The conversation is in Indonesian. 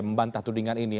membantah tudingan ini